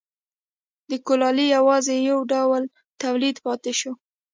د کولالۍ یوازې یو ډول تولید پاتې شو